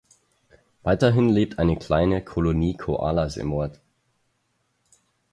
Weiterhin lebt eine kleine Kolonie Koalas im Ort.